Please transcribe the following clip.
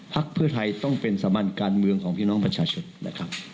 ภักดิ์เพื่อไทยต้องเป็นสามัญการเมืองของพี่น้องประชาชน